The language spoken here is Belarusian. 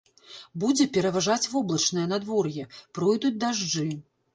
Будзе пераважаць воблачнае надвор'е, пройдуць дажджы.